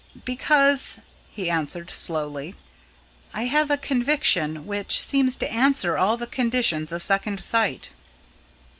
"Because," he answered slowly, "I have a conviction which seems to answer all the conditions of second sight."